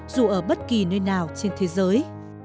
dù ở bất kỳ nơi nào trên thế giới